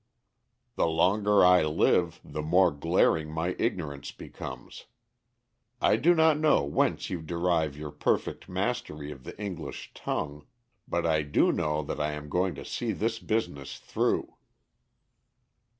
"The longer I live, the more glaring my ignorance becomes. I do not know whence you derive your perfect mastery of the English tongue. But I do know that I am going to see this business through."